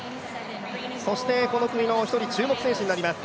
そしてこの組の１人、注目選手になります。